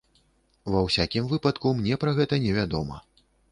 Ва ўсякім выпадку, мне пра гэта невядома.